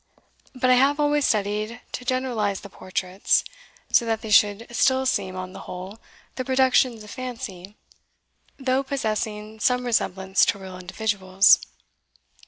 But I have always studied to generalise the portraits, so that they should still seem, on the whole, the productions of fancy, though possessing some resemblance to real individuals.